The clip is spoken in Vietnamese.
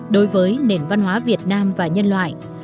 đối với nền văn hóa việt nam và nhân loại